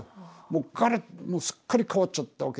もうすっかり変わっちゃったわけでしょ。